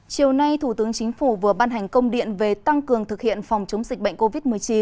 chiều nay thủ tướng chính phủ vừa ban hành công điện về tăng cường thực hiện phòng chống dịch bệnh covid một mươi chín